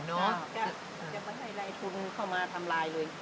จะไม่ให้รายทุนเข้ามาทำลายเลย